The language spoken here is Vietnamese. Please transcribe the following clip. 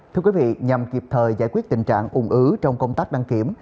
thưa quý vị nhằm kịp thời giải quyết tình trạng ủng ứ trong công tác đăng kiểm